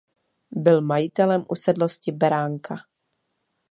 Byl majitelem usedlosti Beránka.